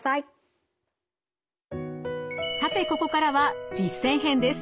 さてここからは実践編です。